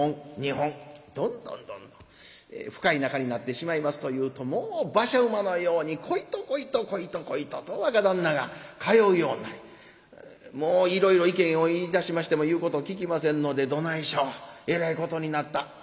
どんどんどんどん深い仲になってしまいますというともう馬車馬のように小糸小糸小糸小糸と若旦那が通うようになりいろいろ意見を言いだしましても言うことを聞きませんので「どないしようえらいことになった」。